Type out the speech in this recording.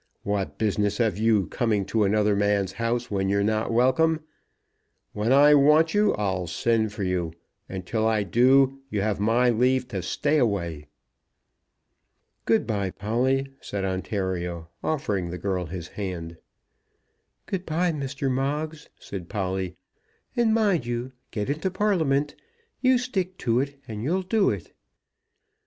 What business have you coming to another man's house when you're not welcome? When I want you I'll send for you; and till I do you have my leave to stay away." "Good bye, Polly," said Ontario, offering the girl his hand. "Good bye, Mr. Moggs," said Polly; "and mind you get into Parliament. You stick to it, and you'll do it."